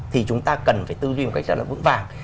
thì chúng ta cần phải tư duy một cách rất là vững vàng